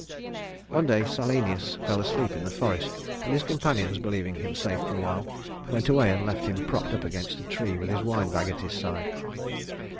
One day Silenus fell asleep in the forest, and his companions, believing him safe for a while, went away and left him propped up against a tree with his wine bag at his side.